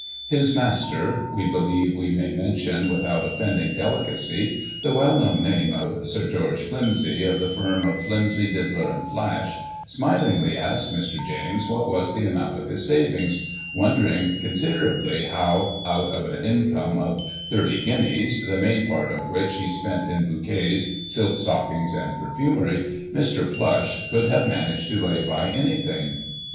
His master (we believe we may mention, without offending delicacy, the well known name of SiR GEORGE FLIMSY, of the firm of FLIMSY, DiDDLER AND FlasH) smilingly asked Mr. James what was the amount of his savings, wondering considerably how — out of an income of thirty guineas, the main part of which he spent in bouquets, silk stockings and perfumery — Mr. Plush could have managed to lay by any thing.